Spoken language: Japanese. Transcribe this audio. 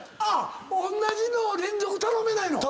おんなじのを連続頼めないの？